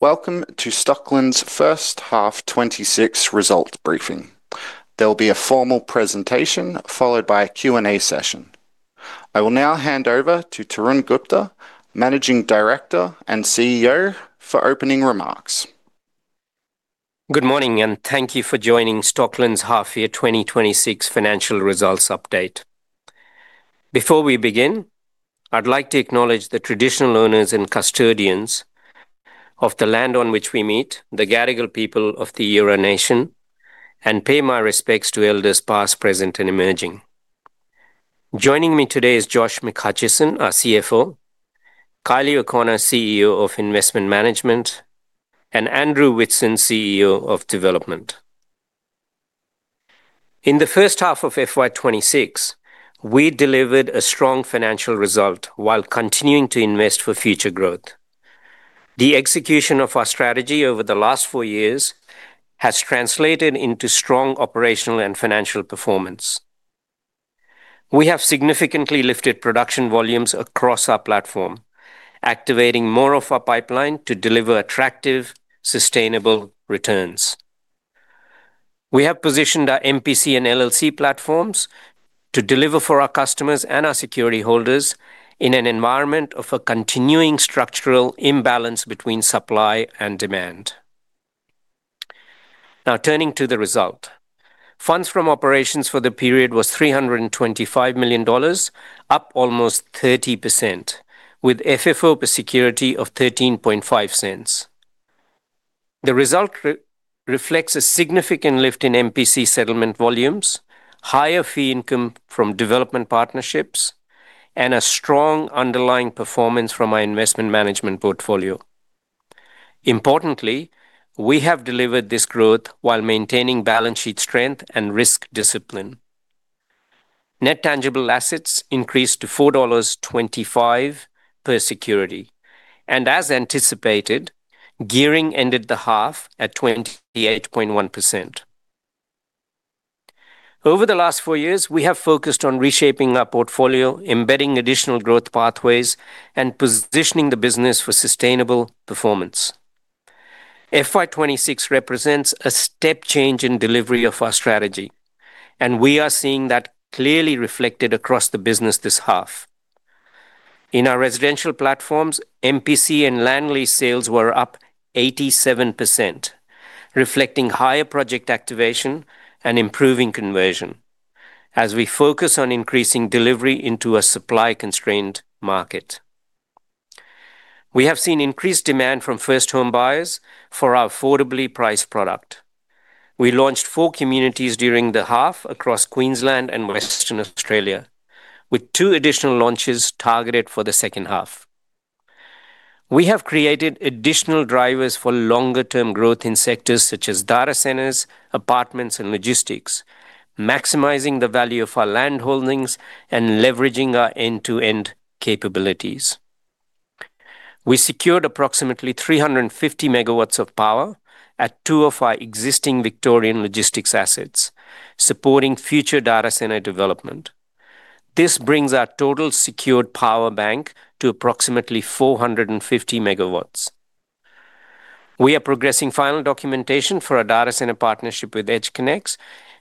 Welcome to Stockland's first half 2026 result briefing. There will be a formal presentation, followed by a Q&A session. I will now hand over to Tarun Gupta, Managing Director and CEO, for opening remarks. Good morning, and thank you for joining Stockland's half year 2026 financial results update. Before we begin, I'd like to acknowledge the traditional owners and custodians of the land on which we meet, the Gadigal people of the Eora Nation, and pay my respects to elders past, present, and emerging. Joining me today is Josh McHutchison, our CFO, Kylie O'Connor, CEO of Investment Management, and Andrew Whitson, CEO of Development. In the first half of FY 2026, we delivered a strong financial result while continuing to invest for future growth. The execution of our strategy over the last four years has translated into strong operational and financial performance. We have significantly lifted production volumes across our platform, activating more of our pipeline to deliver attractive, sustainable returns. We have positioned our MPC and LLC platforms to deliver for our customers and our security holders in an environment of a continuing structural imbalance between supply and demand. Now, turning to the result. Funds from operations for the period was 325 million dollars, up almost 30%, with FFO per security of 0.135. The result reflects a significant lift in MPC settlement volumes, higher fee income from development partnerships, and a strong underlying performance from our investment management portfolio. Importantly, we have delivered this growth while maintaining balance sheet strength and risk discipline. Net tangible assets increased to 4.25 dollars per security, and as anticipated, gearing ended the half at 28.1%. Over the last four years, we have focused on reshaping our portfolio, embedding additional growth pathways, and positioning the business for sustainable performance. FY 2026 represents a step change in delivery of our strategy, and we are seeing that clearly reflected across the business this half. In our residential platforms, MPC and land lease sales were up 87%, reflecting higher project activation and improving conversion as we focus on increasing delivery into a supply-constrained market. We have seen increased demand from first-home buyers for our affordably priced product. We launched four communities during the half across Queensland and Western Australia, with two additional launches targeted for the second half. We have created additional drivers for longer-term growth in sectors such as data centers, apartments, and logistics, maximizing the value of our land holdings and leveraging our end-to-end capabilities. We secured approximately 350 MW of power at two of our existing Victorian logistics assets, supporting future data center development. This brings our total secured power bank to approximately 450 MW. We are progressing final documentation for a data center partnership with EdgeConneX,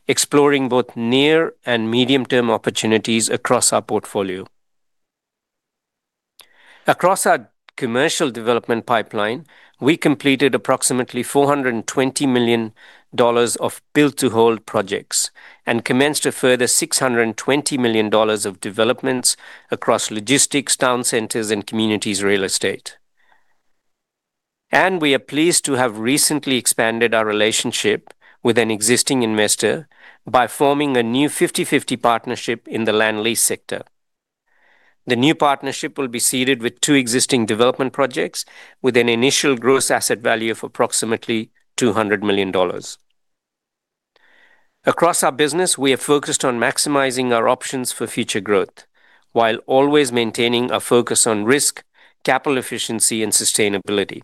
exploring both near- and medium-term opportunities across our portfolio. Across our commercial development pipeline, we completed approximately 420 million dollars of build-to-hold projects and commenced a further 620 million dollars of developments across logistics, town centers, and communities real estate. We are pleased to have recently expanded our relationship with an existing investor by forming a new 50/50 partnership in the land lease sector. The new partnership will be seeded with two existing development projects with an initial gross asset value of approximately 200 million dollars. Across our business, we have focused on maximizing our options for future growth, while always maintaining a focus on risk, capital efficiency, and sustainability.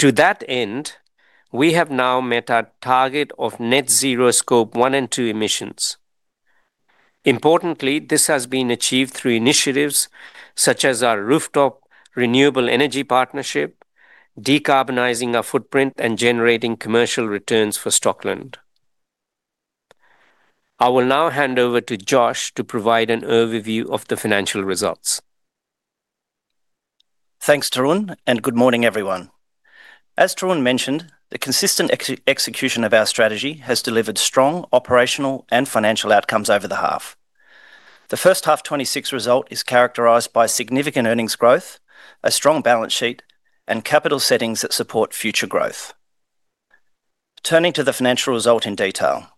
To that end, we have now met our target of net zero Scope One and Two Emissions. Importantly, this has been achieved through initiatives such as our rooftop renewable energy partnership, decarbonizing our footprint, and generating commercial returns for Stockland. I will now hand over to Josh to provide an overview of the financial results. Thanks, Tarun, and good morning, everyone. As Tarun mentioned, the consistent execution of our strategy has delivered strong operational and financial outcomes over the half. The first half 2026 result is characterized by significant earnings growth, a strong balance sheet, and capital settings that support future growth. Turning to the financial result in detail.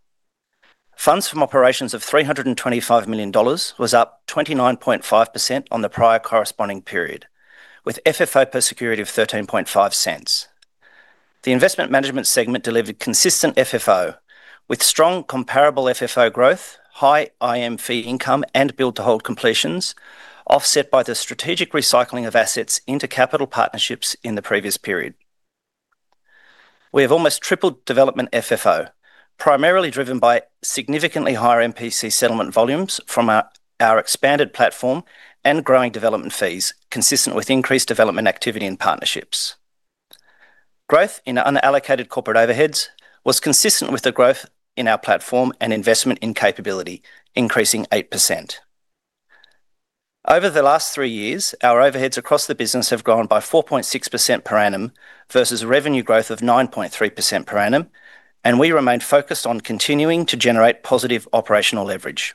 Funds from operations of 325 million dollars was up 29.5% on the prior corresponding period, with FFO per security of 0.135. The investment management segment delivered consistent FFO, with strong comparable FFO growth, high IM fee income, and build-to-hold completions, offset by the strategic recycling of assets into capital partnerships in the previous period. We have almost tripled development FFO, primarily driven by significantly higher MPC settlement volumes from our expanded platform and growing development fees, consistent with increased development activity and partnerships. Growth in unallocated corporate overheads was consistent with the growth in our platform and investment in capability, increasing 8%. Over the last three years, our overheads across the business have grown by 4.6% per annum versus a revenue growth of 9.3% per annum, and we remain focused on continuing to generate positive operational leverage.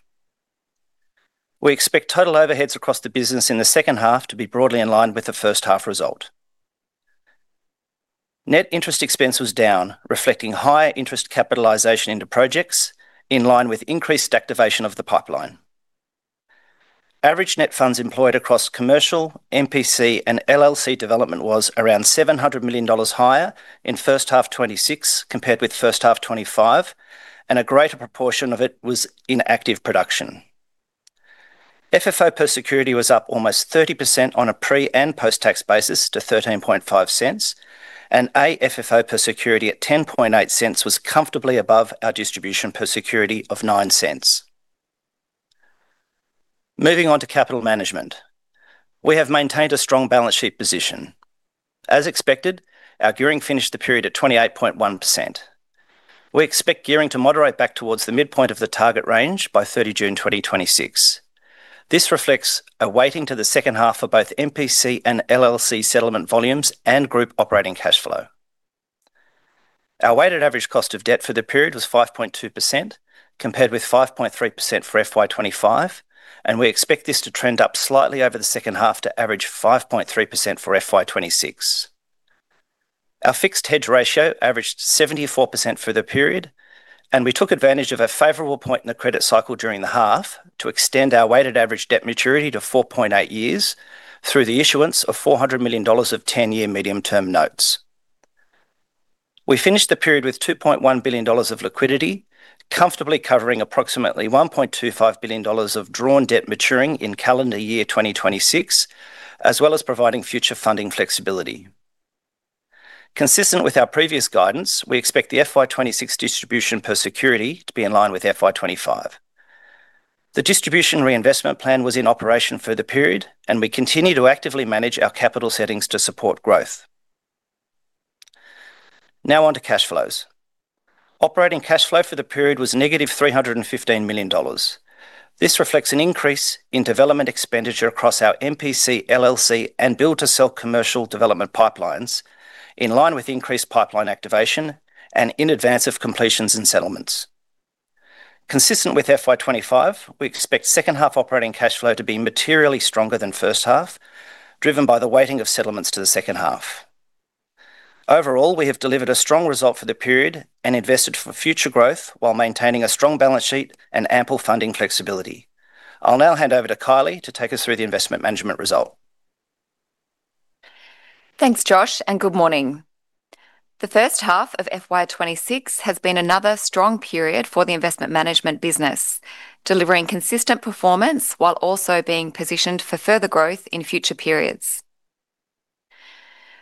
We expect total overheads across the business in the second half to be broadly in line with the first half result. Net interest expense was down, reflecting higher interest capitalization into projects in line with increased activation of the pipeline. Average net funds employed across commercial, MPC, and LLC development was around 700 million dollars higher in first half 2026, compared with first half 2025, and a greater proportion of it was in active production. FFO per security was up almost 30% on a pre- and post-tax basis to 0.135, and AFFO per security at 0.108 was comfortably above our distribution per security of 0.09. Moving on to capital management. We have maintained a strong balance sheet position. As expected, our gearing finished the period at 28.1%. We expect gearing to moderate back towards the midpoint of the target range by June 30, 2026. This reflects a weighting to the second half for both MPC and LLC settlement volumes and group operating cash flow. Our weighted average cost of debt for the period was 5.2%, compared with 5.3% for FY 2025, and we expect this to trend up slightly over the second half to average 5.3% for FY 2026. Our fixed hedge ratio averaged 74% for the period, and we took advantage of a favorable point in the credit cycle during the half to extend our weighted average debt maturity to 4.8 years through the issuance of 400 million dollars of 10-year medium-term notes. We finished the period with 2.1 billion dollars of liquidity, comfortably covering approximately 1.25 billion dollars of drawn debt maturing in calendar year 2026, as well as providing future funding flexibility. Consistent with our previous guidance, we expect the FY 2026 distribution per security to be in line with FY 2025. The distribution reinvestment plan was in operation for the period, and we continue to actively manage our capital settings to support growth. Now on to cash flows. Operating cash flow for the period was -315 million dollars. This reflects an increase in development expenditure across our MPC, LLC, and build-to-sell commercial development pipelines, in line with increased pipeline activation and in advance of completions and settlements. Consistent with FY 2025, we expect second half operating cash flow to be materially stronger than first half, driven by the weighting of settlements to the second half. Overall, we have delivered a strong result for the period and invested for future growth while maintaining a strong balance sheet and ample funding flexibility. I'll now hand over to Kylie to take us through the investment management result. Thanks, Josh, and good morning. The first half of FY 2026 has been another strong period for the investment management business, delivering consistent performance while also being positioned for further growth in future periods.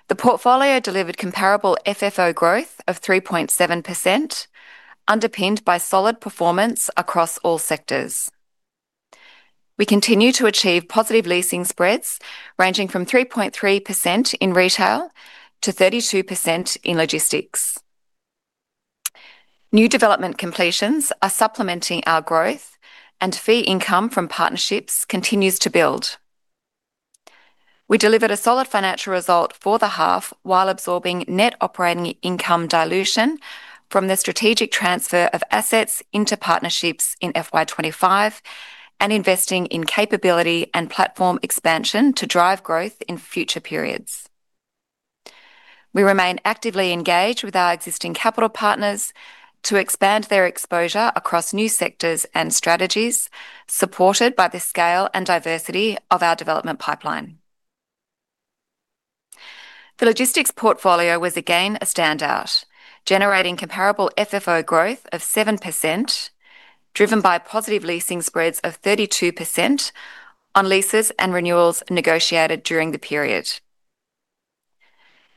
The portfolio delivered comparable FFO growth of 3.7%, underpinned by solid performance across all sectors. We continue to achieve positive leasing spreads, ranging from 3.3% in retail to 32% in logistics. New development completions are supplementing our growth, and fee income from partnerships continues to build. We delivered a solid financial result for the half while absorbing net operating income dilution from the strategic transfer of assets into partnerships in FY 2025 and investing in capability and platform expansion to drive growth in future periods. We remain actively engaged with our existing capital partners to expand their exposure across new sectors and strategies, supported by the scale and diversity of our development pipeline. The logistics portfolio was again a standout, generating comparable FFO growth of 7%, driven by positive leasing spreads of 32% on leases and renewals negotiated during the period.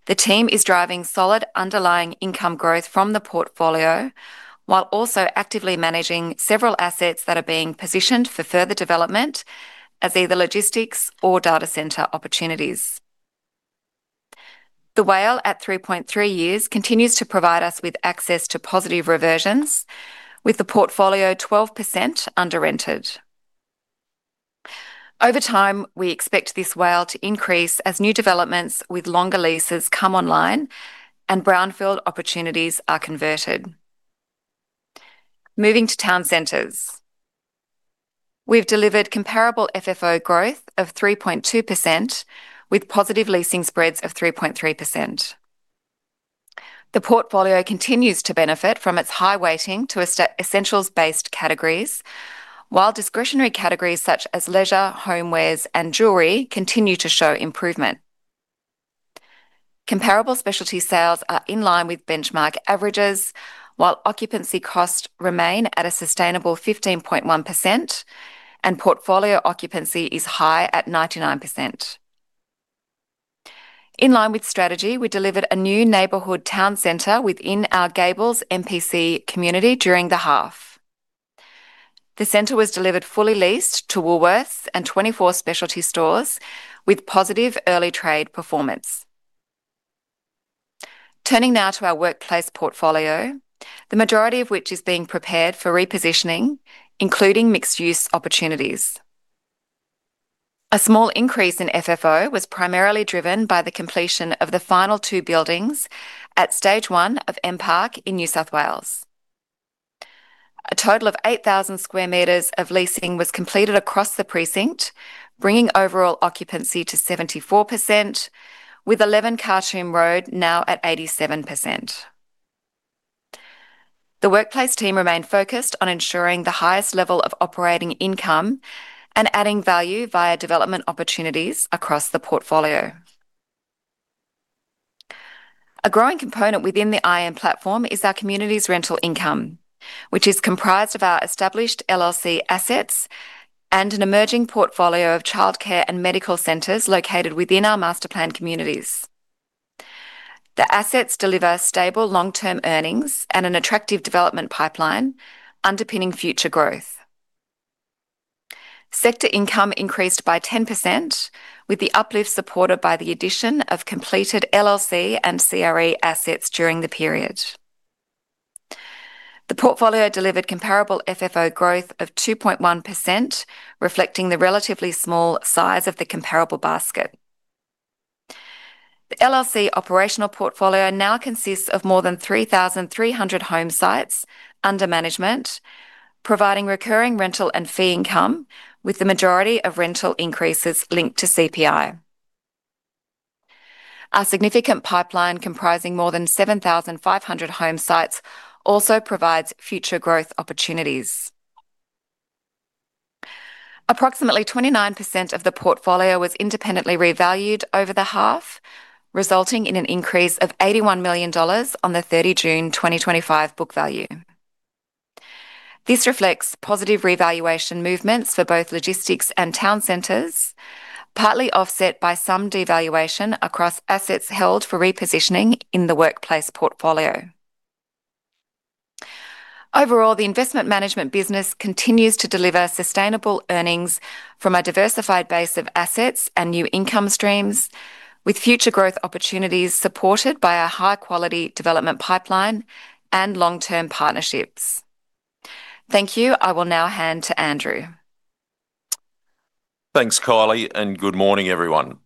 The team is driving solid underlying income growth from the portfolio, while also actively managing several assets that are being positioned for further development as either logistics or data center opportunities. The WALE, at 3.3 years, continues to provide us with access to positive reversions, with the portfolio 12% under-rented. Over time, we expect this WALE to increase as new developments with longer leases come online and brownfield opportunities are converted. Moving to town centers. We've delivered comparable FFO growth of 3.2%, with positive leasing spreads of 3.3%. The portfolio continues to benefit from its high weighting to essentials-based categories, while discretionary categories such as leisure, homewares, and jewelry continue to show improvement. Comparable specialty sales are in line with benchmark averages, while occupancy costs remain at a sustainable 15.1%, and portfolio occupancy is high at 99%.... In line with strategy, we delivered a new neighborhood town center within our Gables MPC community during the half. The center was delivered fully leased to Woolworths and 24 specialty stores, with positive early trade performance. Turning now to our workplace portfolio, the majority of which is being prepared for repositioning, including mixed-use opportunities. A small increase in FFO was primarily driven by the completion of the final two buildings at Stage One of M_Park in New South Wales. A total of 8,000 square meters of leasing was completed across the precinct, bringing overall occupancy to 74%, with Eleven Khartoum Road now at 87%. The workplace team remained focused on ensuring the highest level of operating income and adding value via development opportunities across the portfolio. A growing component within the IM platform is our community's rental income, which is comprised of our established LLC assets and an emerging portfolio of childcare and medical centers located within our master plan communities. The assets deliver stable long-term earnings and an attractive development pipeline underpinning future growth. Sector income increased by 10%, with the uplift supported by the addition of completed LLC and CRE assets during the period. The portfolio delivered comparable FFO growth of 2.1%, reflecting the relatively small size of the comparable basket. The LLC operational portfolio now consists of more than 3,300 home sites under management, providing recurring rental and fee income, with the majority of rental increases linked to CPI. Our significant pipeline, comprising more than 7,500 home sites, also provides future growth opportunities. Approximately 29% of the portfolio was independently revalued over the half, resulting in an increase of 81 million dollars on the June 30, 2025 book value. This reflects positive revaluation movements for both logistics and town centers, partly offset by some devaluation across assets held for repositioning in the workplace portfolio. Overall, the investment management business continues to deliver sustainable earnings from a diversified base of assets and new income streams, with future growth opportunities supported by our high-quality development pipeline and long-term partnerships. Thank you. I will now hand to Andrew. Thanks, Kylie, and good morning, everyone.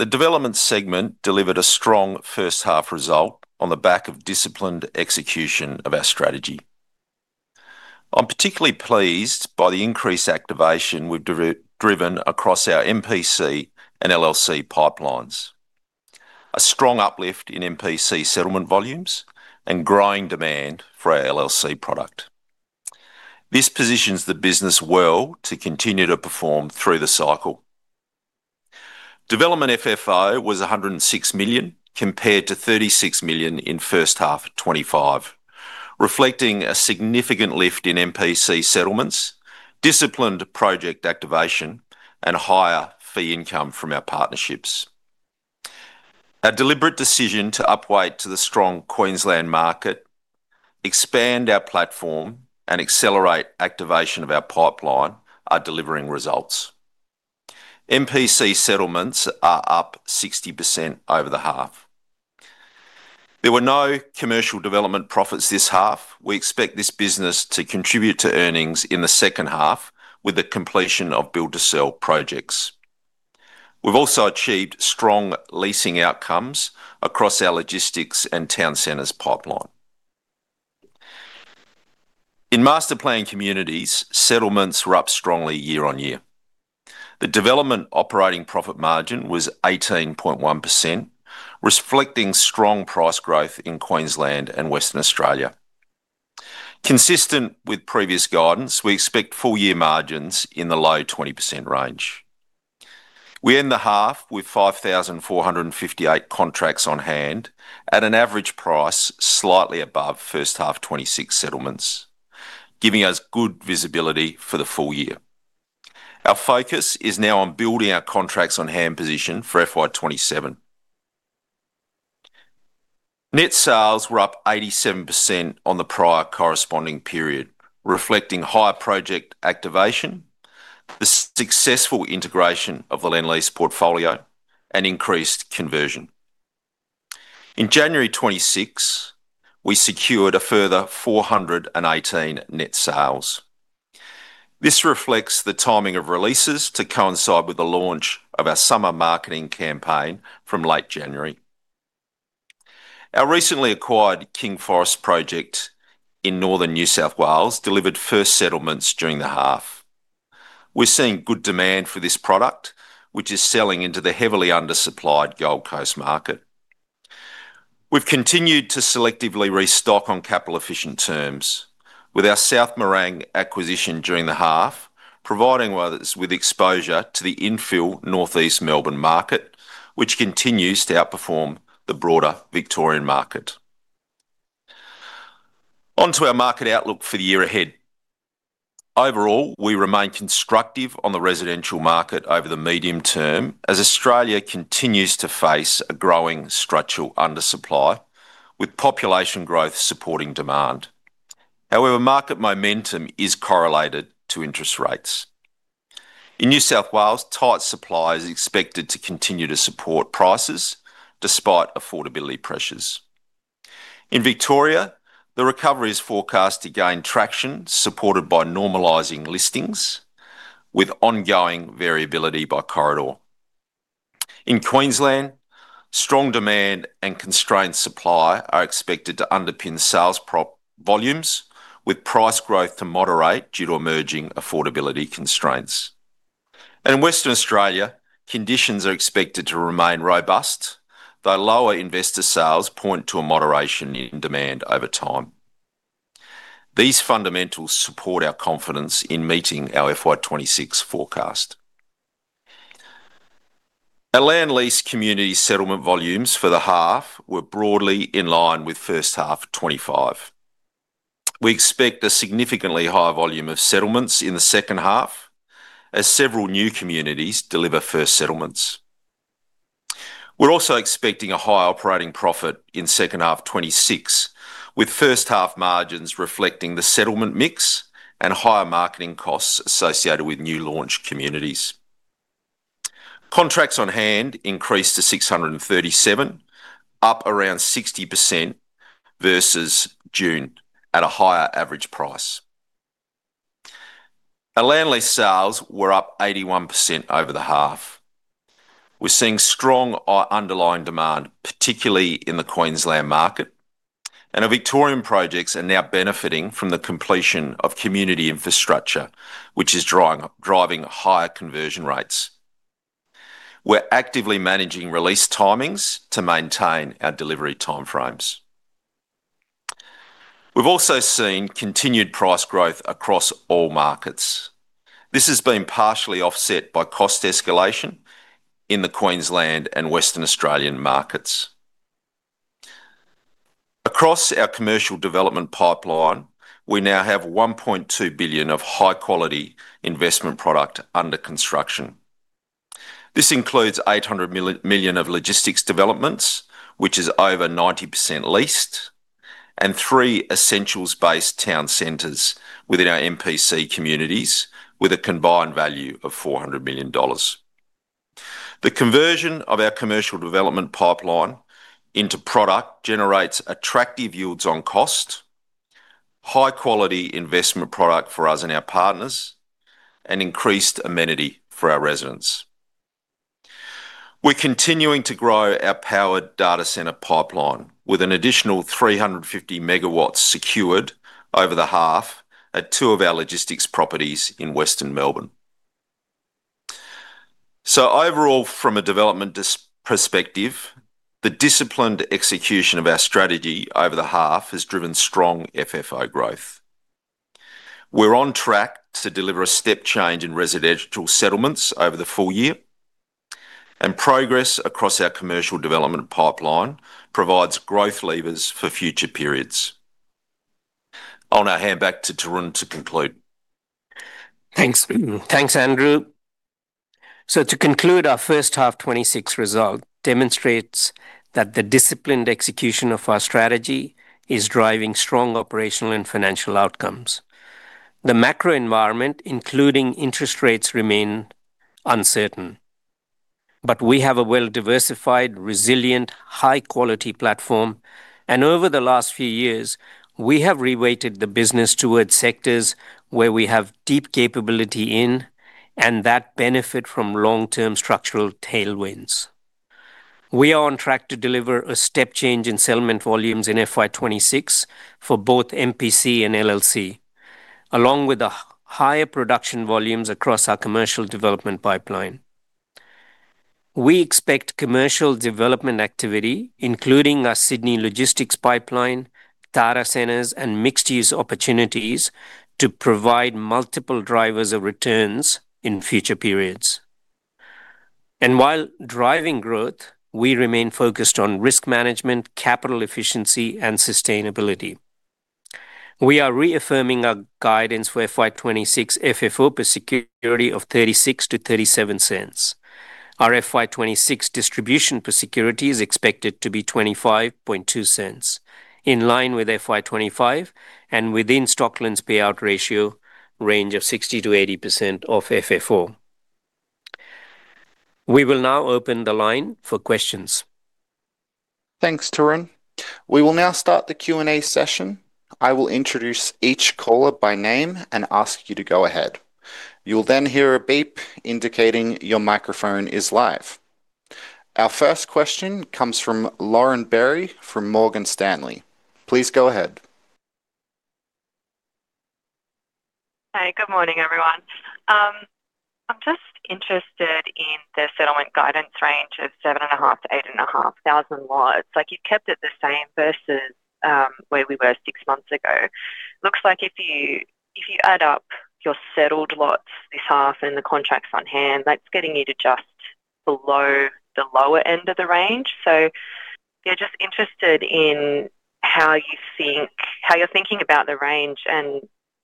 The development segment delivered a strong first half result on the back of disciplined execution of our strategy. I'm particularly pleased by the increased activation we've driven across our MPC and LLC pipelines, a strong uplift in MPC settlement volumes, and growing demand for our LLC product. This positions the business well to continue to perform through the cycle. Development FFO was 106 million, compared to 36 million in first half of 2025, reflecting a significant lift in MPC settlements, disciplined project activation, and higher fee income from our partnerships. Our deliberate decision to upweight to the strong Queensland market, expand our platform, and accelerate activation of our pipeline are delivering results. MPC settlements are up 60% over the half. There were no commercial development profits this half. We expect this business to contribute to earnings in the second half with the completion of build-to-sell projects. We've also achieved strong leasing outcomes across our logistics and town centers pipeline. In master-planned communities, settlements were up strongly year-on-year. The development operating profit margin was 18.1%, reflecting strong price growth in Queensland and Western Australia. Consistent with previous guidance, we expect full year margins in the low 20% range. We end the half with 5,458 contracts on hand at an average price, slightly above first half 2026 settlements, giving us good visibility for the full year. Our focus is now on building our contracts-on-hand position for FY 2027. Net sales were up 87% on the prior corresponding period, reflecting higher project activation, the successful integration of the Lendlease portfolio, and increased conversion. In January 2026, we secured a further 418 net sales. This reflects the timing of releases to coincide with the launch of our summer marketing campaign from late January. Our recently acquired Kings Forest project in northern New South Wales delivered first settlements during the half. We're seeing good demand for this product, which is selling into the heavily undersupplied Gold Coast market. We've continued to selectively restock on capital-efficient terms with our South Morang acquisition during the half, providing us with exposure to the infill Northeast Melbourne market, which continues to outperform the broader Victorian market.... Onto our market outlook for the year ahead. Overall, we remain constructive on the residential market over the medium term, as Australia continues to face a growing structural undersupply, with population growth supporting demand. However, market momentum is correlated to interest rates. In New South Wales, tight supply is expected to continue to support prices despite affordability pressures. In Victoria, the recovery is forecast to gain traction, supported by normalizing listings, with ongoing variability by corridor. In Queensland, strong demand and constrained supply are expected to underpin sales volumes, with price growth to moderate due to emerging affordability constraints. And in Western Australia, conditions are expected to remain robust, though lower investor sales point to a moderation in demand over time. These fundamentals support our confidence in meeting our FY 2026 forecast. Our land lease community settlement volumes for the half were broadly in line with first half of 2025. We expect a significantly higher volume of settlements in the second half, as several new communities deliver first settlements. We're also expecting a higher operating profit in second half of 2026, with first half margins reflecting the settlement mix and higher marketing costs associated with new launch communities. Contracts on hand increased to 637, up around 60% versus June, at a higher average price. Our land lease sales were up 81% over the half. We're seeing strong underlying demand, particularly in the Queensland market, and our Victorian projects are now benefiting from the completion of community infrastructure, which is driving higher conversion rates. We're actively managing release timings to maintain our delivery time frames. We've also seen continued price growth across all markets. This has been partially offset by cost escalation in the Queensland and Western Australian markets. Across our commercial development pipeline, we now have 1.2 billion of high-quality investment product under construction. This includes 800 million of logistics developments, which is over 90% leased, and three essentials-based town centers within our MPC communities, with a combined value of 400 million dollars. The conversion of our commercial development pipeline into product generates attractive yields on cost, high-quality investment product for us and our partners, and increased amenity for our residents. We're continuing to grow our powered data center pipeline with an additional 350 MW secured over the half at two of our logistics properties in Western Melbourne. So overall, from a development perspective, the disciplined execution of our strategy over the half has driven strong FFO growth. We're on track to deliver a step change in residential settlements over the full year, and progress across our commercial development pipeline provides growth levers for future periods. I'll now hand back to Tarun to conclude. Thanks. Thanks, Andrew. So to conclude, our first half 2026 result demonstrates that the disciplined execution of our strategy is driving strong operational and financial outcomes. The macro environment, including interest rates, remain uncertain, but we have a well-diversified, resilient, high-quality platform, and over the last few years, we have reweighted the business towards sectors where we have deep capability in and that benefit from long-term structural tailwinds. We are on track to deliver a step change in settlement volumes in FY 2026 for both MPC and LLC, along with the higher production volumes across our commercial development pipeline. We expect commercial development activity, including our Sydney logistics pipeline, data centers, and mixed-use opportunities, to provide multiple drivers of returns in future periods. And while driving growth, we remain focused on risk management, capital efficiency, and sustainability. We are reaffirming our guidance for FY 2026 FFO per security of 0.36-0.37. Our FY 2026 distribution per security is expected to be 0.252, in line with FY 2025 and within Stockland's payout ratio range of 60%-80% of FFO. We will now open the line for questions. Thanks, Tarun. We will now start the Q&A session. I will introduce each caller by name and ask you to go ahead. You'll then hear a beep indicating your microphone is live. Our first question comes from Lauren Berry from Morgan Stanley. Please go ahead. Hi, good morning, everyone. I'm just interested in the settlement guidance range of 7.5-8.5 thousand lots. Like, you've kept it the same versus where we were six months ago. Looks like if you add up your settled lots this half and the contracts on hand, that's getting you to just below the lower end of the range. So yeah, just interested in how you're thinking about the range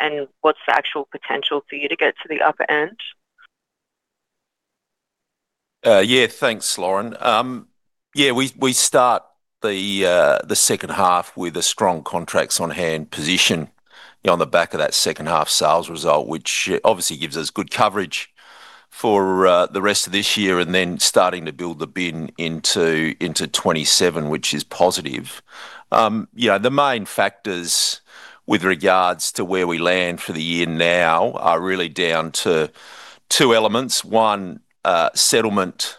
and what's the actual potential for you to get to the upper end? Yeah, thanks, Lauren. Yeah, we start the second half with a strong contracts on hand position on the back of that second half sales result, which obviously gives us good coverage for the rest of this year, and then starting to build the pipeline into 2027, which is positive. You know, the main factors with regards to where we land for the year now are really down to two elements. One, settlement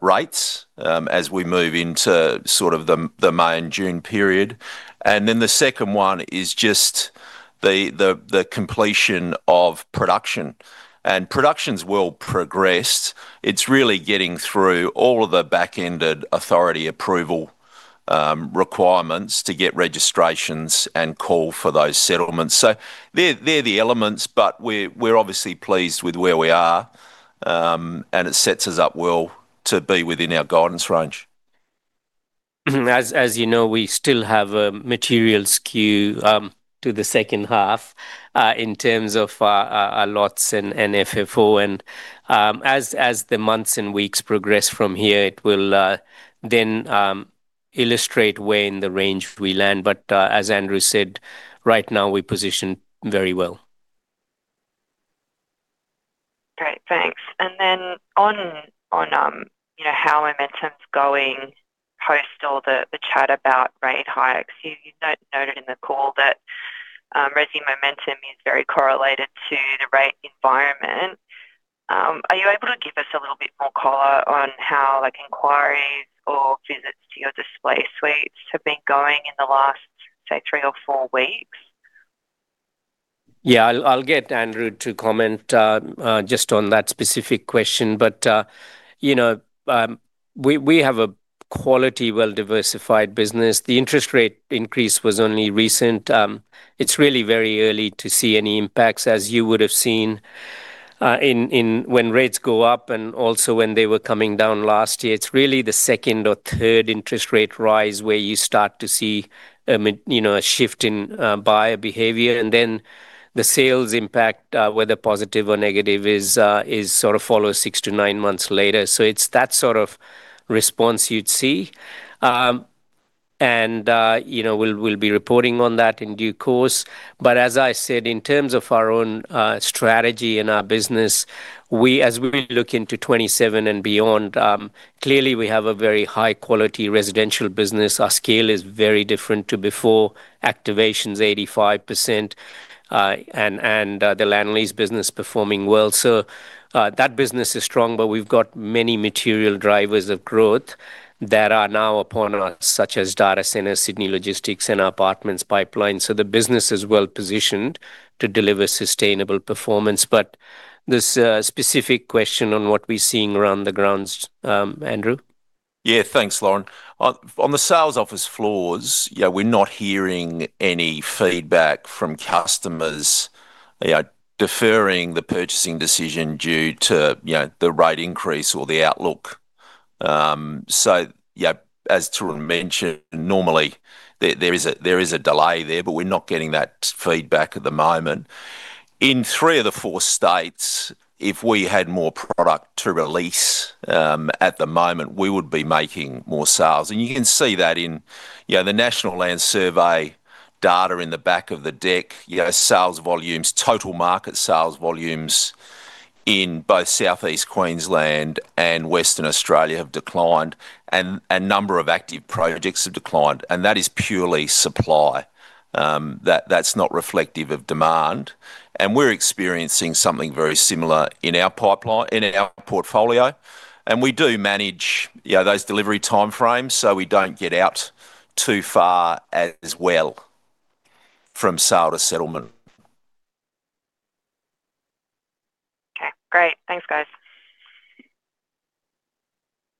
rates, as we move into sort of the May and June period. Then the second one is just the completion of production. Production's well progressed. It's really getting through all of the back-ended authority approval requirements to get registrations and call for those settlements. So they're the elements, but we're obviously pleased with where we are, and it sets us up well to be within our guidance range. As you know, we still have a material skew to the second half in terms of our lots and FFO. As the months and weeks progress from here, it will then illustrate where in the range we land. But as Andrew said, right now, we're positioned very well. Great, thanks. And then on, you know, how momentum's going, post all the chat about rate hikes, you noted in the call that resi momentum is very correlated to the rate environment. Are you able to give us a little bit more color on how, like, inquiries or visits to your display suites have been going in the last, say, three or four weeks? Yeah, I'll get Andrew to comment just on that specific question, but you know, we have a quality, well-diversified business. The interest rate increase was only recent. It's really very early to see any impacts, as you would have seen in when rates go up and also when they were coming down last year. It's really the second or third interest rate rise where you start to see you know, a shift in buyer behavior. And then the sales impact, whether positive or negative, is sort of follow 6-9 months later. So it's that sort of response you'd see. And you know, we'll be reporting on that in due course. But as I said, in terms of our own strategy and our business, as we look into 2027 and beyond, clearly we have a very high-quality residential business. Our scale is very different to before. Activation's 85%, and the land lease business performing well. So that business is strong, but we've got many material drivers of growth that are now upon us, such as data center, Sydney Logistics, and our apartments pipeline. So the business is well positioned to deliver sustainable performance. But this specific question on what we're seeing around the grounds, Andrew? Yeah, thanks, Lauren. On the sales office floors, you know, we're not hearing any feedback from customers, you know, deferring the purchasing decision due to, you know, the rate increase or the outlook. So yeah, as Tarun mentioned, normally, there is a delay there, but we're not getting that feedback at the moment. In three of the four states, if we had more product to release at the moment, we would be making more sales. And you can see that in, you know, the national land survey data in the back of the deck, you know, sales volumes, total market sales volumes in both Southeast Queensland and Western Australia have declined, and a number of active projects have declined, and that is purely supply. That's not reflective of demand, and we're experiencing something very similar in our pipeline—in our portfolio, and we do manage, you know, those delivery time frames, so we don't get out too far as well from sale to settlement. Okay, great. Thanks, guys.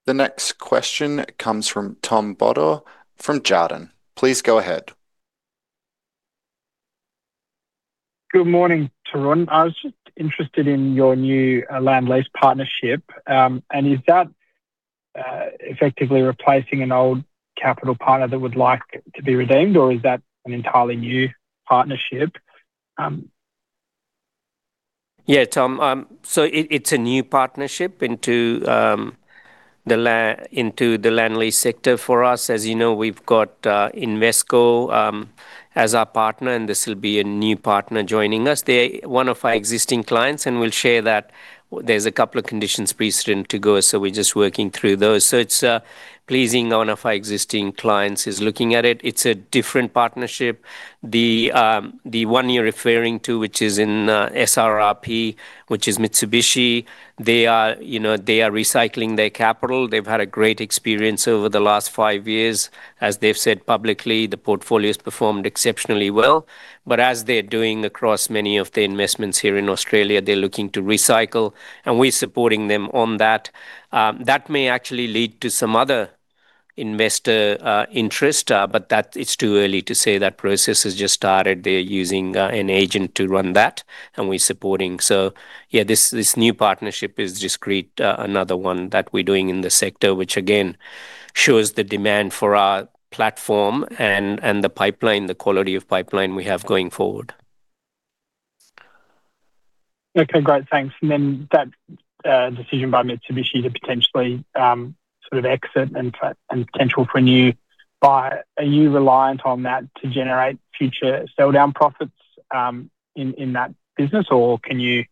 The next question comes from Tom Bodor from Jarden. Please go ahead. Good morning, Tarun. I was just interested in your new land lease partnership. Is that effectively replacing an old capital partner that would like to be redeemed, or is that an entirely new partnership? Yeah, Tom, so it's a new partnership into the land lease sector for us. As you know, we've got Invesco as our partner, and this will be a new partner joining us. They're one of our existing clients, and we'll share that, there's a couple of conditions precedent to go, so we're just working through those. So it's pleasing that one of our existing clients is looking at it. It's a different partnership. The one you're referring to, which is in SRRP, which is Mitsubishi, they are, you know, they are recycling their capital. They've had a great experience over the last five years. As they've said publicly, the portfolio's performed exceptionally well, but as they're doing across many of their investments here in Australia, they're looking to recycle, and we're supporting them on that. That may actually lead to some other investor interest, but that's too early to say. That process has just started. They're using an agent to run that, and we're supporting. So yeah, this new partnership is just create another one that we're doing in the sector, which again shows the demand for our platform and the pipeline, the quality of pipeline we have going forward.... Okay, great. Thanks. And then that decision by Mitsubishi to potentially sort of exit and potential for a new buyer, are you reliant on that to generate future sell-down profits in that business? Or can you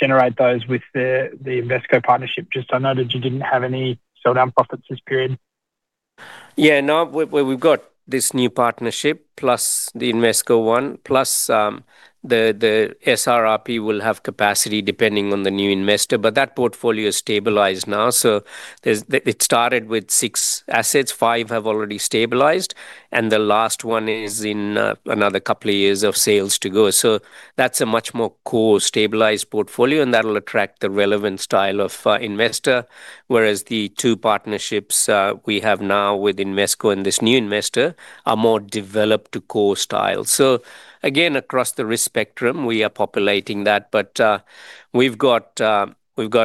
generate those with the Invesco partnership? Just, I noted you didn't have any sell-down profits this period. Yeah, no, we've got this new partnership, plus the Invesco one, plus the SRRP will have capacity depending on the new investor. But that portfolio is stabilized now, so it started with six assets. Five have already stabilized, and the last one is in another couple of years of sales to go. So that's a much more core stabilized portfolio, and that'll attract the relevant style of investor, whereas the two partnerships we have now with Invesco and this new investor are more developed to core style. So again, across the risk spectrum, we are populating that, but we've got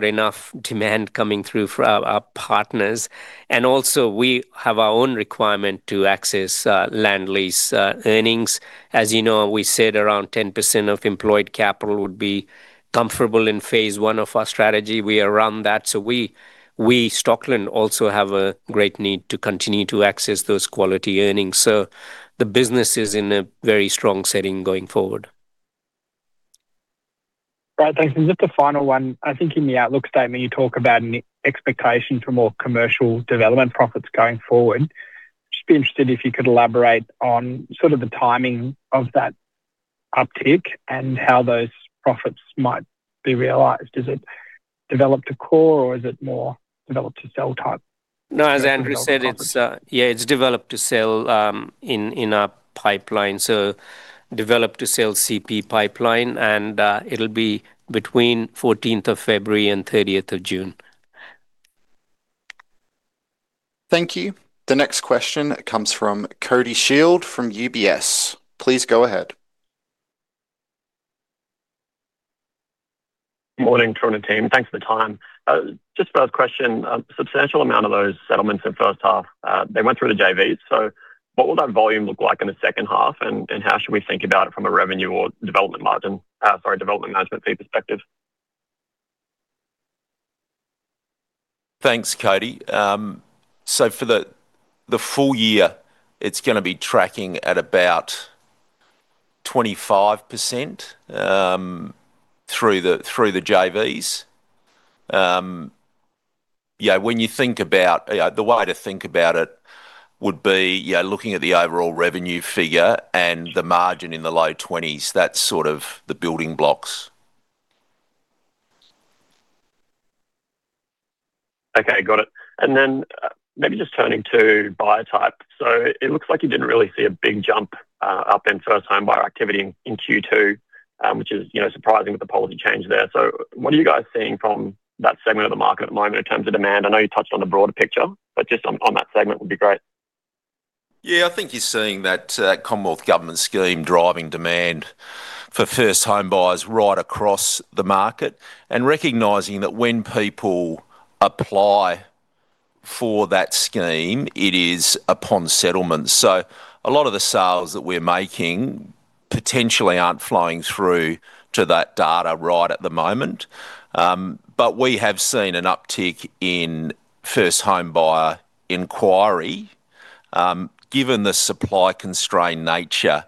enough demand coming through for our partners, and also we have our own requirement to access land lease earnings. As you know, we said around 10% of employed capital would be comfortable in phase one of our strategy. We are around that, so we, Stockland, also have a great need to continue to access those quality earnings, so the business is in a very strong setting going forward. Right, thanks. And just a final one. I think in the outlook statement, you talk about an expectation for more commercial development profits going forward. Just be interested if you could elaborate on sort of the timing of that uptick and how those profits might be realized. Is it developed to core or is it more developed to sell type? No, as Andrew said, it's, yeah, it's developed to sell in our pipeline. So developed to sell CP pipeline, and it'll be between February 14th and June 13th. Thank you. The next question comes from Cody Shield from UBS. Please go ahead. Morning, Truona team. Thanks for the time. Just first question, a substantial amount of those settlements in the first half, they went through the JVs. So what will that volume look like in the second half, and, and how should we think about it from a revenue or development margin, sorry, development management fee perspective? Thanks, Cody. So for the full year, it's gonna be tracking at about 25%, through the JVs. Yeah, when you think about... Yeah, the way to think about it would be, yeah, looking at the overall revenue figure and the margin in the low twenties, that's sort of the building blocks. Okay, got it. And then, maybe just turning to buyer type. So it looks like you didn't really see a big jump up in first-time buyer activity in Q2, which is, you know, surprising with the policy change there. So what are you guys seeing from that segment of the market at the moment in terms of demand? I know you touched on the broader picture, but just on that segment would be great. Yeah, I think you're seeing that, Commonwealth Government scheme driving demand for first-home buyers right across the market, and recognizing that when people apply for that scheme, it is upon settlement. So a lot of the sales that we're making potentially aren't flowing through to that data right at the moment. But we have seen an uptick in first-home buyer inquiry. Given the supply-constrained nature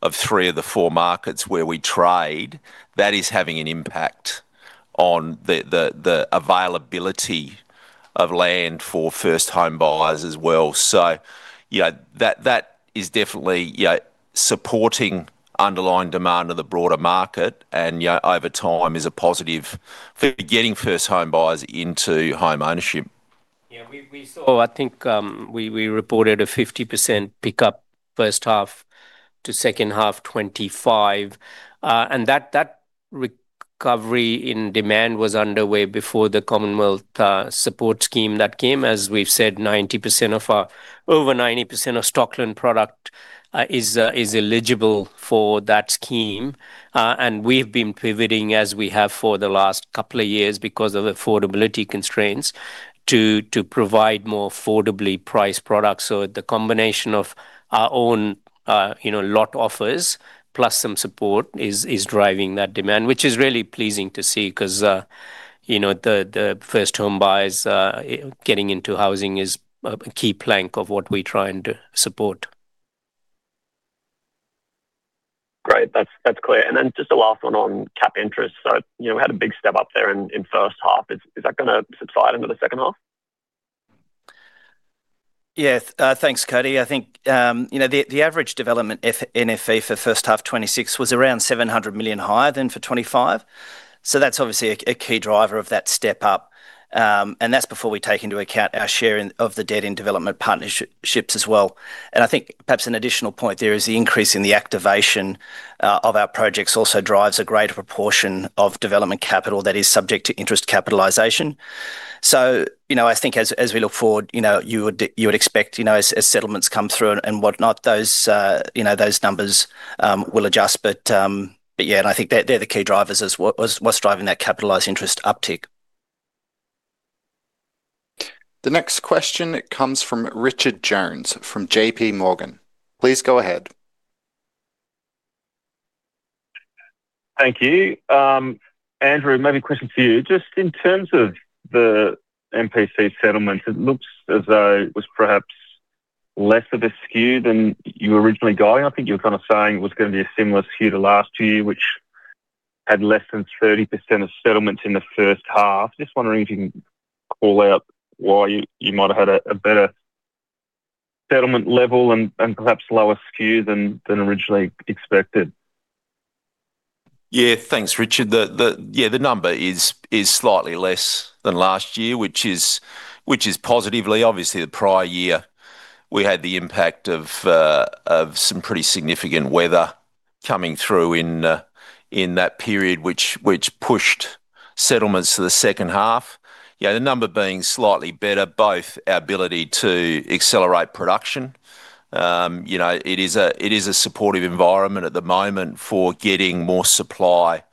of three of the four markets where we trade, that is having an impact on the availability of land for first-home buyers as well. So, you know, that is definitely, yeah, supporting underlying demand of the broader market, and, you know, over time is a positive for getting first-home buyers into homeownership. Yeah, we saw, I think, we reported a 50% pickup first half to second half, 2025. And that recovery in demand was underway before the Commonwealth support scheme. That came, as we've said, over 90% of Stockland product is eligible for that scheme. And we've been pivoting, as we have for the last couple of years because of affordability constraints, to provide more affordably priced products. So the combination of our own, you know, lot offers, plus some support is driving that demand, which is really pleasing to see 'cause, you know, the first-home buyers getting into housing is a key plank of what we're trying to support. Great. That's clear. And then just the last one on cap interest. So, you know, we had a big step up there in first half. Is that gonna subside into the second half? Yeah. Thanks, Cody. I think, you know, the, the average development NFE for first half 2026 was around 700 million higher than for 2025. So that's obviously a key driver of that step up, and that's before we take into account our share in of the debt and development partnerships as well. And I think perhaps an additional point there is the increase in the activation of our projects also drives a greater proportion of development capital that is subject to interest capitalization. So, you know, I think as we look forward, you know, you would expect, you know, as settlements come through and whatnot, those, you know, those numbers will adjust. But yeah, and I think they're the key drivers as what's driving that capitalized interest uptick. ... The next question comes from Richard Jones from JPMorgan. Please go ahead. Thank you. Andrew, maybe a question for you. Just in terms of the MPC settlement, it looks as though it was perhaps less of a skew than you were originally guiding. I think you were kind of saying it was going to be a similar skew to last year, which had less than 30% of settlements in the first half. Just wondering if you can call out why you might have had a better settlement level and perhaps lower skew than originally expected. Yeah. Thanks, Richard. The number is slightly less than last year, which is positively. Obviously, the prior year, we had the impact of some pretty significant weather coming through in that period, which pushed settlements to the second half. Yeah, the number being slightly better, both our ability to accelerate production. You know, it is a supportive environment at the moment for getting more supply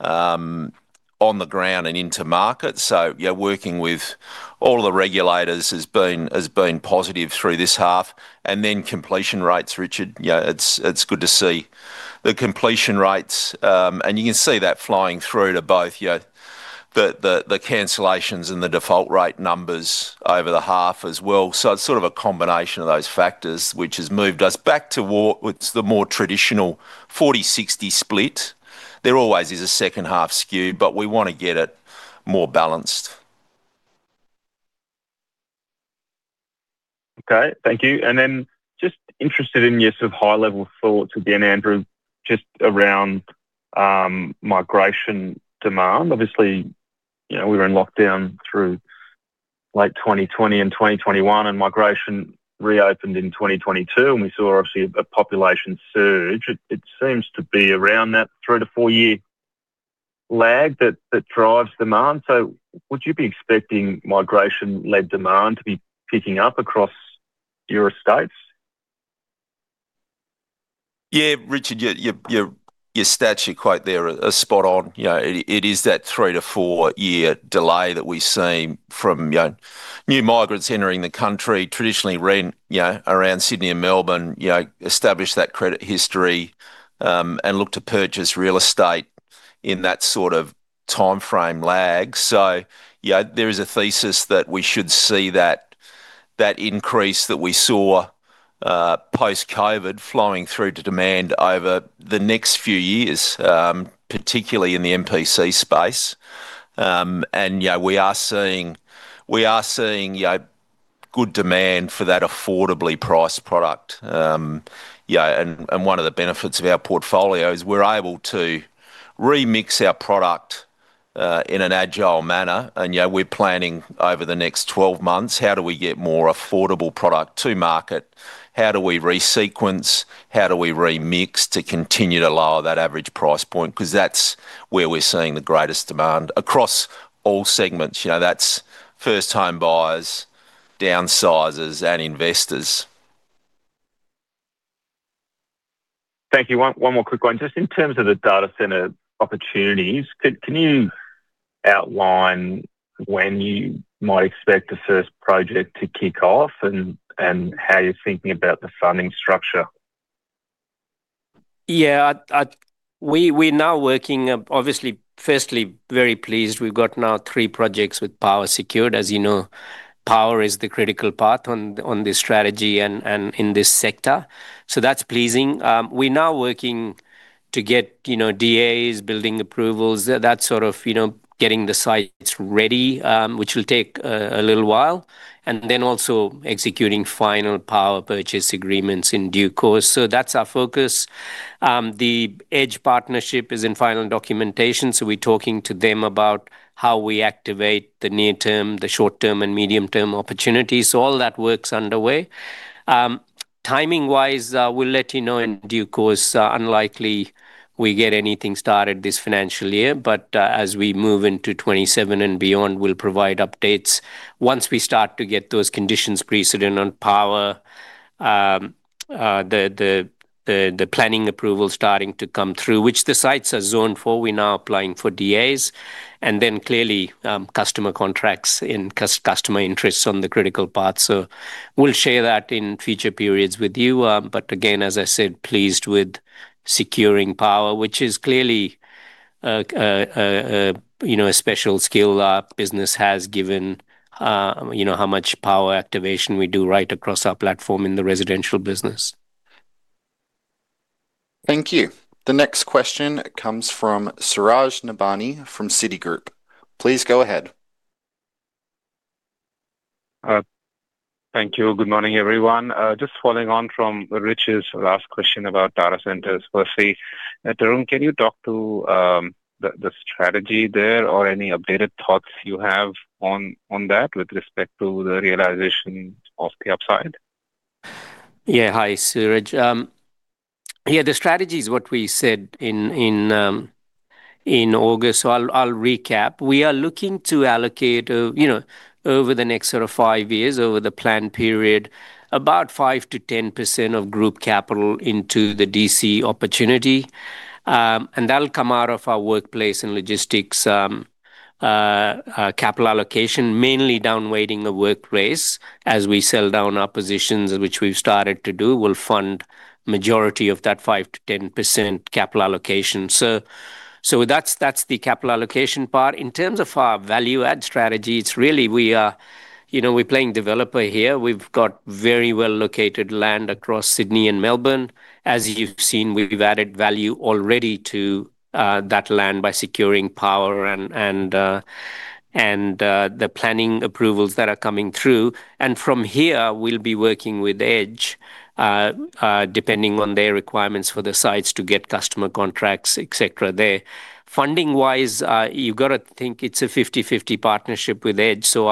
on the ground and into market. So, yeah, working with all the regulators has been positive through this half. And then completion rates, Richard. Yeah, it's good to see the completion rates. And you can see that flowing through to both, you know, the cancellations and the default rate numbers over the half as well. It's sort of a combination of those factors, which has moved us back toward with the more traditional 40/60 split. There always is a second-half skew, but we want to get it more balanced. Okay. Thank you. And then just interested in your sort of high-level thoughts again, Andrew, just around migration demand. Obviously, you know, we were in lockdown through late 2020 and 2021, and migration reopened in 2022, and we saw obviously a population surge. It seems to be around that 3-4-year lag that drives demand. So would you be expecting migration-led demand to be picking up across your estates? Yeah, Richard, your stats you quote there are spot on. You know, it is that 3-4-year delay that we've seen from, you know, new migrants entering the country, traditionally rent, you know, around Sydney and Melbourne, you know, establish that credit history, and look to purchase real estate in that sort of timeframe lag. So, yeah, there is a thesis that we should see that increase that we saw post-COVID flowing through to demand over the next few years, particularly in the MPC space. And, you know, we are seeing good demand for that affordably priced product. Yeah, and one of the benefits of our portfolio is we're able to remix our product in an agile manner. You know, we're planning over the next 12 months, how do we get more affordable product to market? How do we resequence, how do we remix to continue to lower that average price point? Because that's where we're seeing the greatest demand across all segments, you know, that's first-time buyers, downsizers, and investors. Thank you. One more quick one. Just in terms of the data center opportunities, can you outline when you might expect the first project to kick off and how you're thinking about the funding structure? Yeah. We're now working, obviously, firstly, very pleased we've got now three projects with power secured. As you know, power is the critical part on this strategy and in this sector. So that's pleasing. We're now working to get, you know, DAs, building approvals, that sort of, you know, getting the sites ready, which will take a little while, and then also executing final power purchase agreements in due course. So that's our focus. The Edge partnership is in final documentation, so we're talking to them about how we activate the near term, the short term, and medium-term opportunities. So all that work's underway. Timing-wise, we'll let you know in due course. Unlikely we get anything started this financial year, but as we move into 2027 and beyond, we'll provide updates. Once we start to get those conditions precedent on power, the planning approval starting to come through, which the sites are zoned for, we're now applying for DAs, and then clearly, customer contracts and customer interests on the critical path. So we'll share that in future periods with you. But again, as I said, pleased with securing power, which is clearly, you know, a special skill our business has given, you know, how much power activation we do right across our platform in the residential business. Thank you. The next question comes from Suraj Nebhani from Citigroup. Please go ahead. Thank you. Good morning, everyone. Just following on from Richard's last question about data centers firstly. Tarun, can you talk to the strategy there or any updated thoughts you have on that with respect to the realization of the upside? Yeah. Hi, Suraj. Yeah, the strategy is what we said in August, so I'll recap. We are looking to allocate, you know, over the next sort of five years, over the plan period, about 5%-10% of group capital into the DC opportunity. And that'll come out of our workplace and logistics capital allocation, mainly down weighting the workplace as we sell down our positions, which we've started to do. We'll fund majority of that 5%-10% capital allocation. So that's the capital allocation part. In terms of our value add strategy, it's really we are, you know, we're playing developer here. We've got very well-located land across Sydney and Melbourne. As you've seen, we've added value already to that land by securing power and the planning approvals that are coming through. From here, we'll be working with Edge, depending on their requirements for the sites to get customer contracts, et cetera, there. Funding-wise, you've got to think it's a 50/50 partnership with Edge, so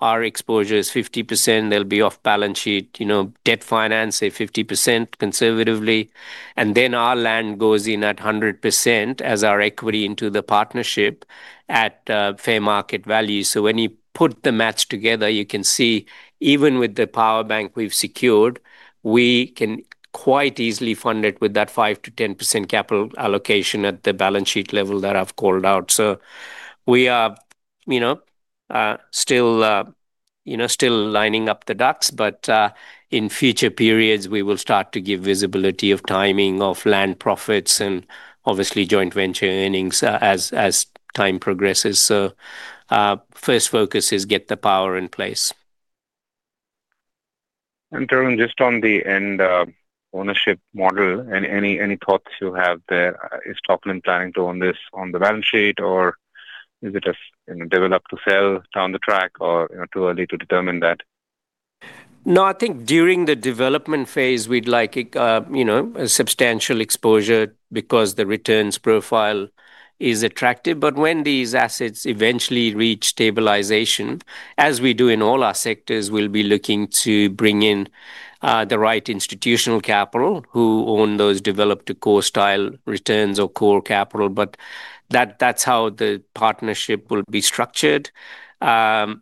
our exposure is 50%. They'll be off balance sheet, you know, debt finance, say, 50%, conservatively. Then our land goes in at 100% as our equity into the partnership at fair market value. So when you put the math together, you can see, even with the power bank we've secured, we can quite easily fund it with that 5%-10% capital allocation at the balance sheet level that I've called out. So we are, you know, still, you know, still lining up the ducks, but in future periods, we will start to give visibility of timing of land profits and obviously joint venture earnings, as time progresses. So, first focus is get the power in place. Tarun, just on the end, ownership model, and any, any thoughts you have there, is Stockland planning to own this on the balance sheet, or is it a, you know, develop to sell down the track or, you know, too early to determine that? No, I think during the development phase, we'd like it, you know, a substantial exposure because the returns profile is attractive. But when these assets eventually reach stabilization, as we do in all our sectors, we'll be looking to bring in, the right institutional capital who own those developed core style returns or core capital. But that, that's how the partnership will be structured. But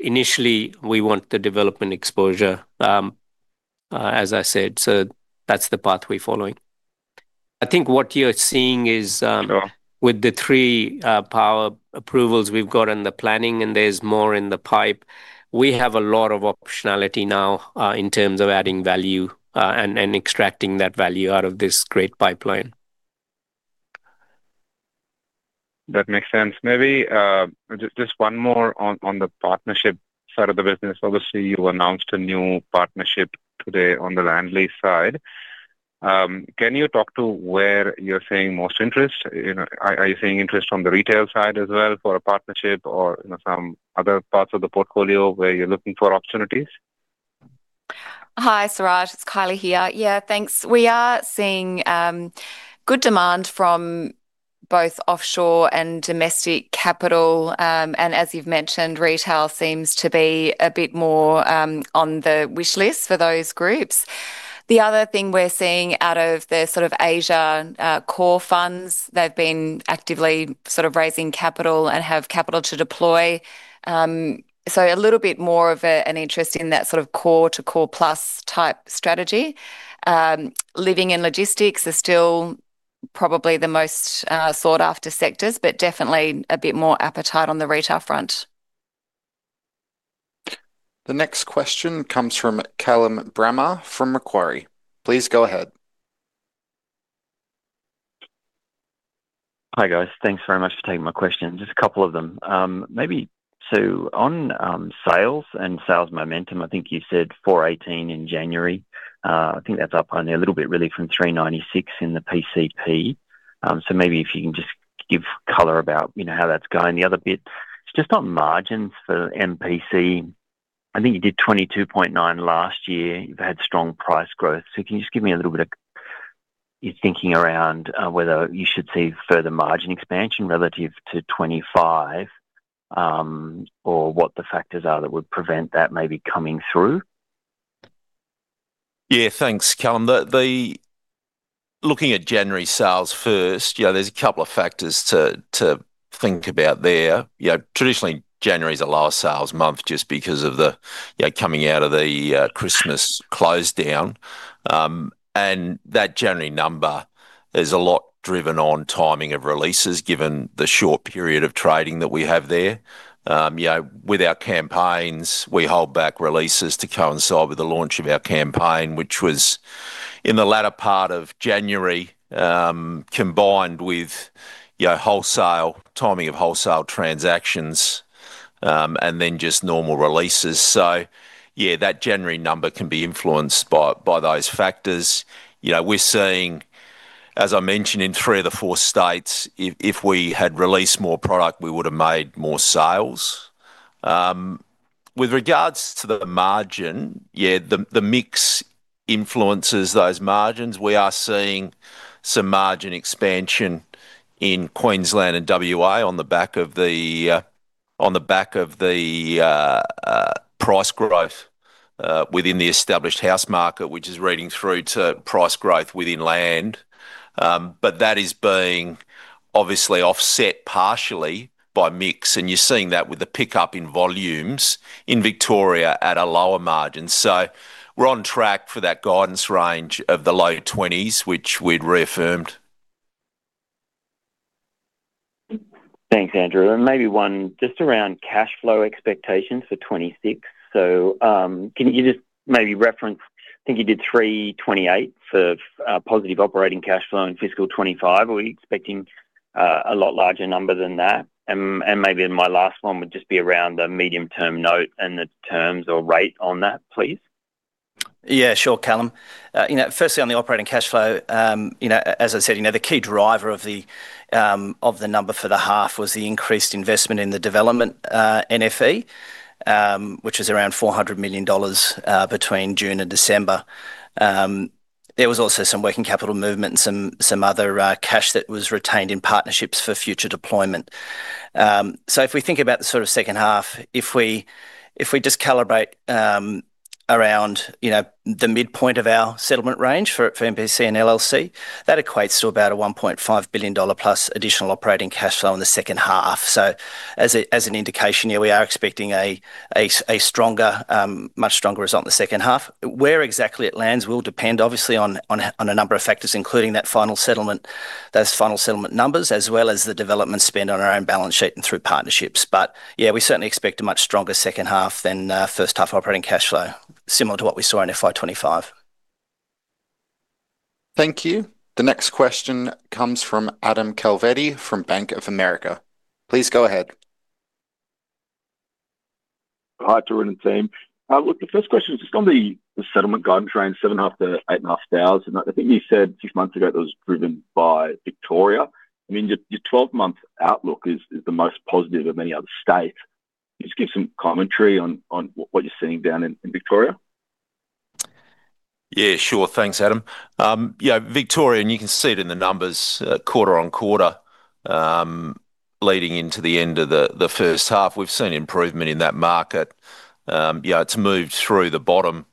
initially, we want the development exposure, as I said, so that's the path we're following. I think what you're seeing is, Sure ... with the three power approvals we've got in the planning, and there's more in the pipe, we have a lot of optionality now, in terms of adding value, and extracting that value out of this great pipeline. That makes sense. Maybe just one more on the partnership side of the business. Obviously, you announced a new partnership today on the land lease side. Can you talk to where you're seeing most interest? You know, are you seeing interest from the retail side as well for a partnership or, you know, some other parts of the portfolio where you're looking for opportunities? Hi, Suraj, it's Kylie here. Yeah, thanks. We are seeing good demand from both offshore and domestic capital. And as you've mentioned, retail seems to be a bit more on the wish list for those groups. The other thing we're seeing out of the sort of Asia core funds, they've been actively sort of raising capital and have capital to deploy. So a little bit more of an interest in that sort of core to core plus type strategy. Living and logistics are still probably the most sought-after sectors, but definitely a bit more appetite on the retail front. The next question comes from Callum Bramah, from Macquarie. Please go ahead. Hi, guys. Thanks very much for taking my question. Just a couple of them. Maybe so on sales and sales momentum, I think you said 418 in January. I think that's up only a little bit really from 396 in the PCP. So maybe if you can just give color about, you know, how that's going. The other bit, it's just on margins for MPC. I think you did 22.9 last year. You've had strong price growth. So can you just give me a little bit of your thinking around whether you should see further margin expansion relative to 25, or what the factors are that would prevent that maybe coming through? Yeah, thanks, Callum. Looking at January sales first, you know, there's a couple of factors to think about there. You know, traditionally, January is a lower sales month just because of the, you know, coming out of the Christmas close down. And that January number is a lot driven on timing of releases, given the short period of trading that we have there. You know, with our campaigns, we hold back releases to coincide with the launch of our campaign, which was in the latter part of January, combined with, you know, wholesale, timing of wholesale transactions, and then just normal releases. So yeah, that January number can be influenced by those factors. You know, we're seeing, as I mentioned, in three of the four states, if we had released more product, we would have made more sales. With regards to the margin, yeah, the mix influences those margins. We are seeing some margin expansion in Queensland and WA on the back of the price growth within the established house market, which is reading through to price growth within land. But that is being obviously offset partially by mix, and you're seeing that with the pickup in volumes in Victoria at a lower margin. So we're on track for that guidance range of the low 20s, which we'd reaffirmed. Thanks, Andrew. And maybe one just around cash flow expectations for 26. So, can you just maybe reference, I think you did 328 for positive operating cash flow in fiscal 2025. Are we expecting a lot larger number than that? And maybe my last one would just be around the medium-term note and the terms or rate on that, please. Yeah, sure, Callum. You know, firstly, on the operating cash flow, you know, as I said, you know, the key driver of the number for the half was the increased investment in the development NFE, which is around 400 million dollars between June and December. There was also some working capital movement and some other cash that was retained in partnerships for future deployment. So if we think about the sort of second half, if we just calibrate around, you know, the midpoint of our settlement range for MPC and LLC, that equates to about a 1.5 billion dollar plus additional operating cash flow in the second half. So as an indication, yeah, we are expecting a stronger, much stronger result in the second half. Where exactly it lands will depend, obviously, on a number of factors, including that final settlement, those final settlement numbers, as well as the development spend on our own balance sheet and through partnerships. But yeah, we certainly expect a much stronger second half than first half operating cash flow, similar to what we saw in FY 25. Thank you. The next question comes from Adam Calvetti from Bank of America. Please go ahead. Hi to Tarun and team. Look, the first question is just on the settlement guidance range, 7.5-8.5 thousand. I think you said six months ago that was driven by Victoria. I mean, your 12-month outlook is the most positive of any other state. Can you just give some commentary on what you're seeing down in Victoria? Yeah, sure. Thanks, Adam. Yeah, Victoria, and you can see it in the numbers, quarter-on-quarter, leading into the end of the first half. We've seen improvement in that market. Yeah, it's moved through the bottom,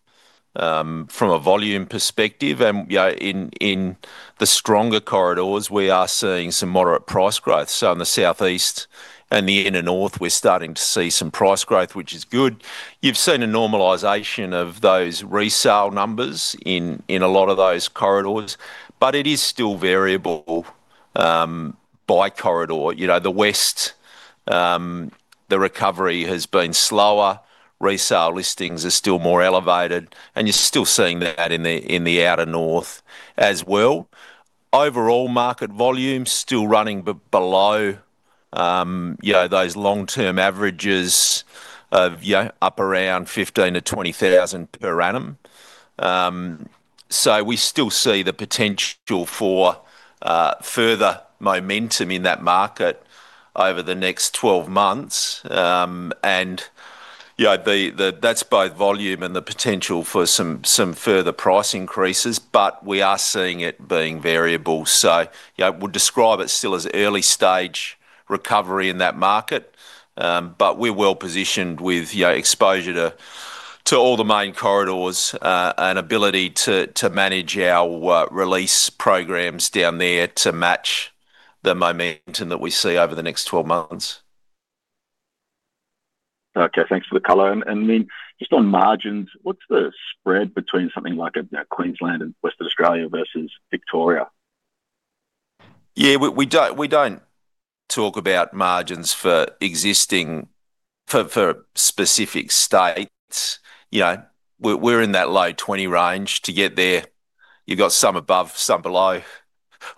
from a volume perspective, and, you know, in the stronger corridors, we are seeing some moderate price growth. So in the southeast and the inner north, we're starting to see some price growth, which is good. You've seen a normalization of those resale numbers in a lot of those corridors, but it is still variable by corridor. You know, the west, the recovery has been slower, resale listings are still more elevated, and you're still seeing that in the outer north as well. Overall market volume still running below, you know, those long-term averages of, yeah, up around 15,000-20,000 per annum. So we still see the potential for further momentum in that market over the next 12 months. And, you know, that's both volume and the potential for some further price increases, but we are seeing it being variable. So, yeah, we'll describe it still as early stage recovery in that market, but we're well positioned with, you know, exposure to all the main corridors, and ability to manage our release programs down there to match the momentum that we see over the next 12 months. Okay, thanks for the color. And then just on margins, what's the spread between something like Queensland and Western Australia versus Victoria? Yeah, we don't talk about margins for existing for specific states. You know, we're in that low 20 range. To get there, you've got some above, some below,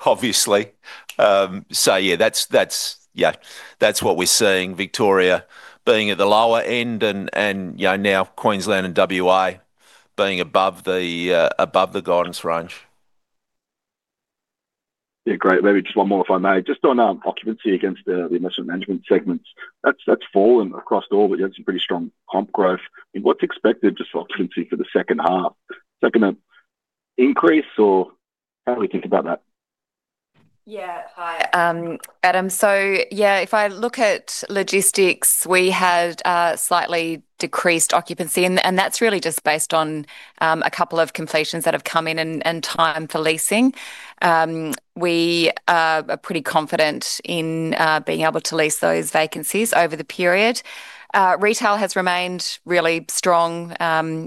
obviously. So yeah, that's what we're seeing, Victoria being at the lower end and you know, now Queensland and WA being above the guidance range. Yeah, great. Maybe just one more, if I may. Just on occupancy against the investment management segments, that's fallen across the board, but you had some pretty strong comp growth. And what's expected just for occupancy for the second half? Is that gonna increase, or how do we think about that? Yeah. Hi, Adam. So yeah, if I look at logistics, we had slightly decreased occupancy, and that's really just based on a couple of completions that have come in and time for leasing. We are pretty confident in being able to lease those vacancies over the period. Retail has remained really strong.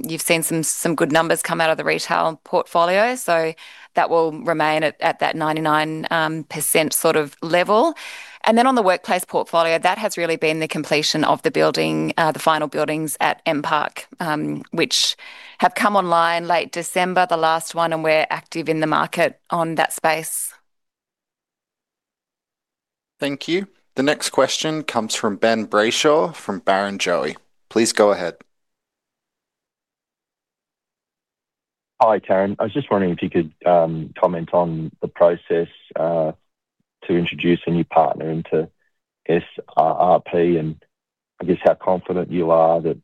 You've seen some good numbers come out of the retail portfolio, so that will remain at that 99% sort of level. And then on the workplace portfolio, that has really been the completion of the building, the final buildings at M_Park, which have come online late December, the last one, and we're active in the market on that space. Thank you. The next question comes from Ben Brayshaw from Barrenjoey. Please go ahead. Hi, Tarun. I was just wondering if you could comment on the process to introduce a new partner into SRRP, and I guess how confident you are that-...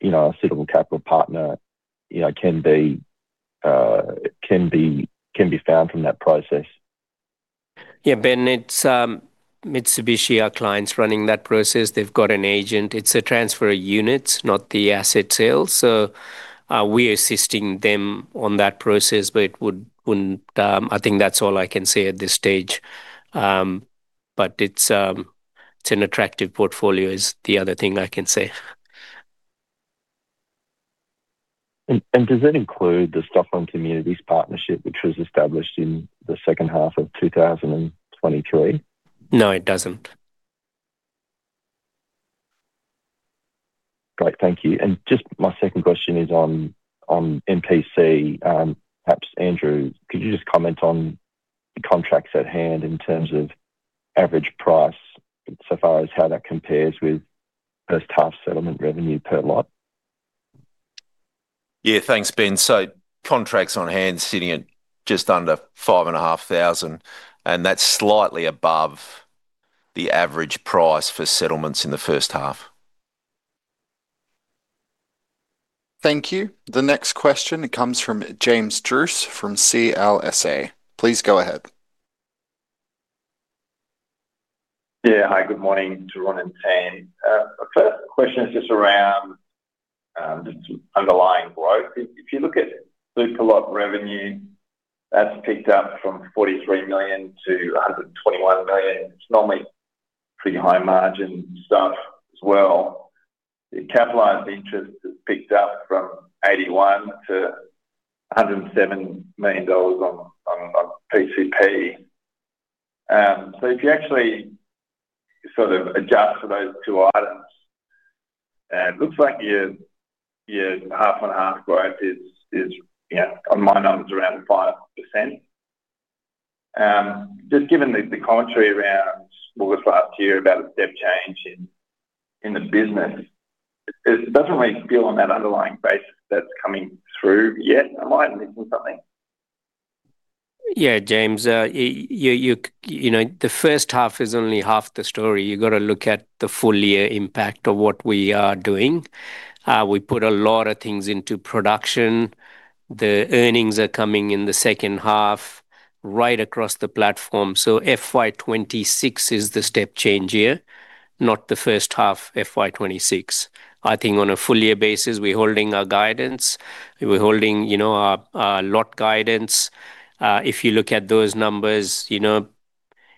you know, a suitable capital partner, you know, can be found from that process? Yeah, Ben, it's Mitsubishi, our client's running that process. They've got an agent. It's a transfer of units, not the asset sale. So, we're assisting them on that process, but it would, wouldn't, I think that's all I can say at this stage. But it's, it's an attractive portfolio is the other thing I can say. And does that include the Stockland Communities Partnership, which was established in the second half of 2023? No, it doesn't. Great. Thank you. And just my second question is on MPC. Perhaps, Andrew, could you just comment on the contracts at hand in terms of average price, so far as how that compares with first half settlement revenue per lot? Yeah. Thanks, Ben. So contracts on hand sitting at just under 5,500, and that's slightly above the average price for settlements in the first half. Thank you. The next question comes from James Druce from CLSA. Please go ahead. Yeah. Hi, good morning to Tarun and team. My first question is just around just underlying growth. If you look at superlot revenue, that's picked up from 43 million-121 million. It's normally pretty high margin stuff as well. The capitalized interest has picked up from AUD 81 million-AUD 107 million on PCP. So if you actually sort of adjust for those two items, it looks like your half on half growth is, you know, on my numbers around 5%. Just given the commentary around August last year about a step change in the business, it doesn't really feel on that underlying basis that's coming through yet. Am I missing something? Yeah, James, you know, the first half is only half the story. You got to look at the full year impact of what we are doing. We put a lot of things into production. The earnings are coming in the second half, right across the platform. So FY 2026 is the step change year, not the first half FY 2026. I think on a full year basis, we're holding our guidance. We're holding, you know, our lot guidance. If you look at those numbers, you know,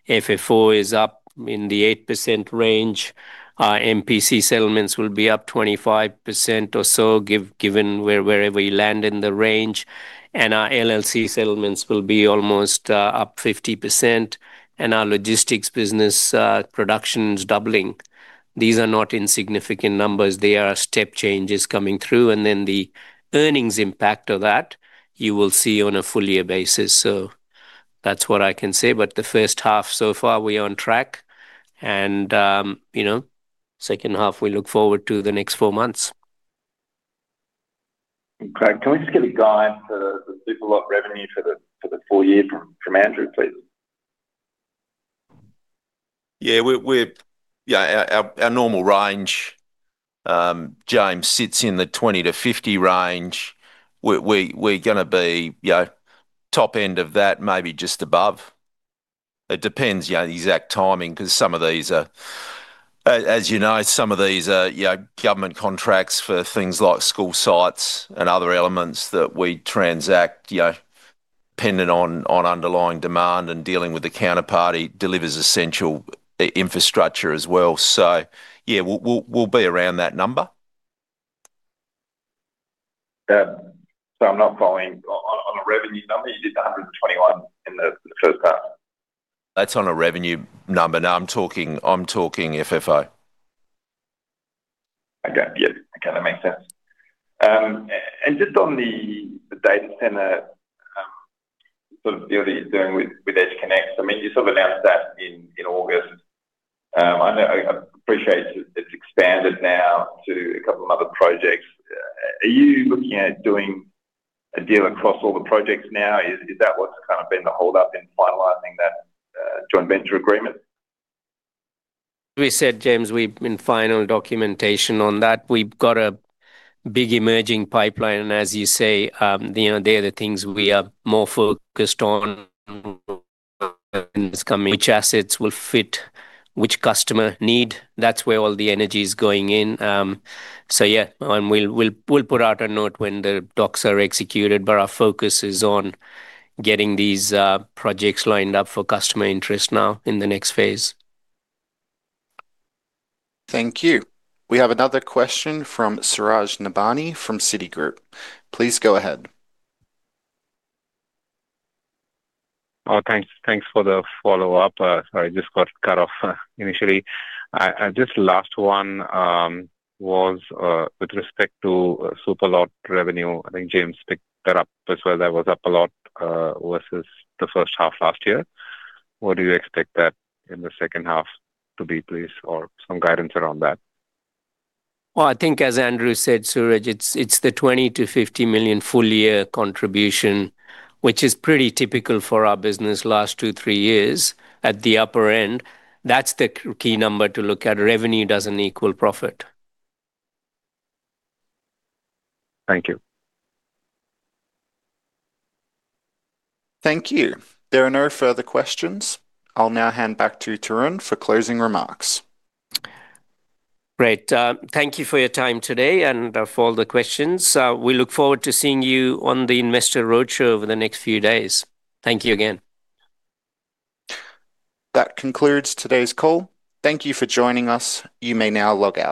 FFO is up in the 8% range. Our MPC settlements will be up 25% or so, given where, wherever we land in the range. And our LLC settlements will be almost up 50%, and our logistics business production's doubling. These are not insignificant numbers. They are step changes coming through, and then the earnings impact of that, you will see on a full year basis. So that's what I can say, but the first half, so far, we're on track. And, you know, second half, we look forward to the next four months. Great. Can we just get a guide for the superlot revenue for the full year from Andrew, please? Yeah, we're. Yeah, our normal range, James, sits in the 20-50 range. We're gonna be, you know, top end of that, maybe just above. It depends, you know, the exact timing, 'cause some of these are—as you know, some of these are, you know, government contracts for things like school sites and other elements that we transact, you know, dependent on underlying demand and dealing with the counterparty, delivers essential infrastructure as well. So yeah, we'll be around that number. So I'm not following. On a revenue number, you did 121 in the first half. That's on a revenue number. No, I'm talking, I'm talking FFO. Okay. Yep. Okay, that makes sense. And just on the data center sort of deal that you're doing with EdgeConneX, I mean, you sort of announced that in August. I know, I appreciate it's expanded now to a couple of other projects. Are you looking at doing a deal across all the projects now? Is that what's kind of been the hold up in finalizing that joint venture agreement? We said, James, we're in final documentation on that. We've got a big emerging pipeline, and as you say, you know, they are the things we are more focused on... Which assets will fit which customer need. That's where all the energy is going in. So yeah, and we'll, we'll, we'll put out a note when the docs are executed, but our focus is on getting these projects lined up for customer interest now in the next phase. Thank you. We have another question from Suraj Nebhani from Citigroup. Please go ahead. Oh, thanks, thanks for the follow-up. Sorry, just got cut off initially. Just last one was with respect to superlot revenue. I think James picked that up as well. That was up a lot versus the first half last year. What do you expect that in the second half to be, please, or some guidance around that? Well, I think as Andrew said, Suraj, it's the 20 million-50 million full year contribution, which is pretty typical for our business last two, three years at the upper end. That's the key number to look at. Revenue doesn't equal profit. Thank you. Thank you. There are no further questions. I'll now hand back to Tarun for closing remarks. Great. Thank you for your time today and, for all the questions. We look forward to seeing you on the Investor Roadshow over the next few days. Thank you again. That concludes today's call. Thank you for joining us. You may now log out.